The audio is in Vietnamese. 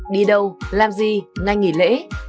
đi đâu làm gì nay nghỉ lễ